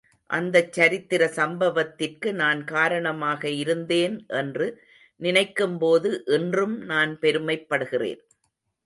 அந்தச் சரித்திர சம்பவத்திற்கு நான் காரணமாக இருந்தேன் என்று நினைக்கும்போது இன்றும் நான் பெருமைப்படுகிறேன்.